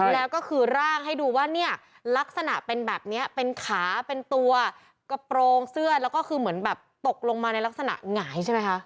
แล้วก็คือร่างให้ดูว่าเนี่ยลักษณะเป็นแบบนี้เป็นขาเป็นตัวกระโปรงเสื้อแล้วก็คือเหมือนแบบตกลงมาในลักษณะหงายใช่ไหมคะ